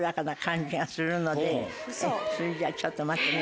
のでそれじゃちょっと待ってね。